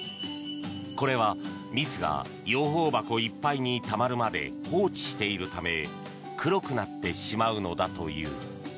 これは、蜜が養蜂箱いっぱいにたまるまで放置しているため黒くなってしまうのだという。